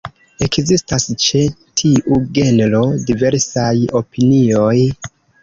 Ekzistas ĉe tiu genro diversaj opinioj.